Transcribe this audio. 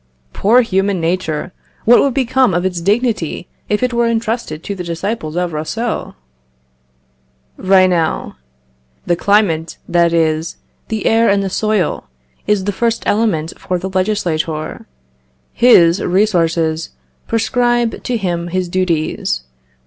Poor human nature! What would become of its dignity if it were entrusted to the disciples of Rousseau? Raynal. "The climate, that is, the air and the soil, is the first element for the legislator. His resources prescribe to him his duties.